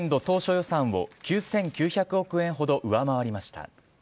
予算を９９００億円ほど上回りました。